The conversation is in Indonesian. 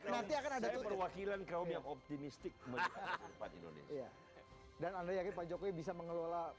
nanti akan ada perwakilan kaum yang optimistik melihat indonesia dan anda yakin pak jokowi bisa mengelola